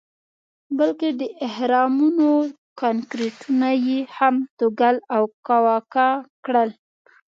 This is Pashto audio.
بلکې د اهرامونو کانکریټونه یې هم توږل او کاواکه کړل.